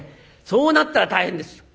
そうなったら大変です。